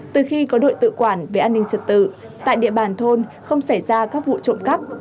từ khi có đội tự quản về an ninh trật tự tại địa bàn thôn không xảy ra các vụ trộm cắp